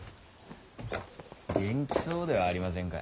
元気そうではありませんか。